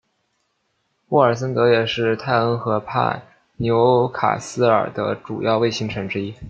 沃尔森德也是泰恩河畔纽卡斯尔的主要卫星城之一。